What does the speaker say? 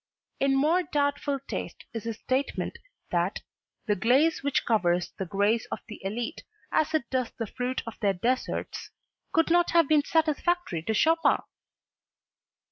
In more doubtful taste is his statement that "the glace which covers the grace of the elite, as it does the fruit of their desserts,...could not have been satisfactory to Chopin"!